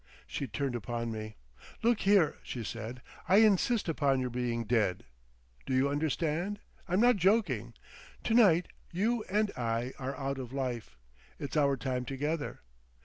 She turned upon me. "Look here," she said, "I insist upon your being dead. Do you understand? I'm not joking. To night you and I are out of life. It's our time together.